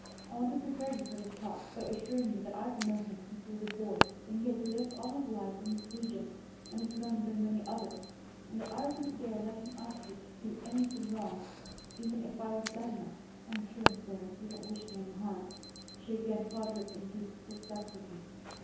I want to prepare you for this talk by assuring you that I've known him since he was a boy, that he has lived all his life in this region and is known by many others, and that I wouldn't dare let him ask you to do anything wrong, even if I was bad enough." "I'm sure, sir, you don't wish me any harm," she again faltered in deep perplexity.